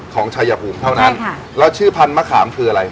ของชายภูมิเท่านั้นแล้วชื่อพันธมะขามคืออะไร